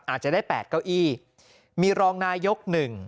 อาจจะได้๘เก้าอี้มีรองนายก๑